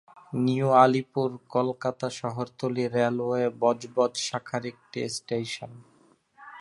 New Alipore Kolkata শহরতলি railway Budge শাখার একটি স্টেশন।